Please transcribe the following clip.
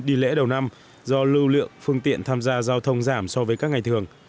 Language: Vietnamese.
đi lễ đầu năm do lưu lượng phương tiện tham gia giao thông giảm so với các ngày thường